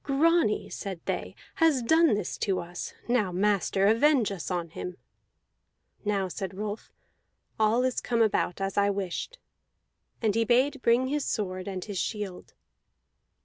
"Grani," said they, "has done this to us. Now, master, avenge us on him!" "Now," said Rolf, "all is come about as I wished." And he bade bring his sword and his shield.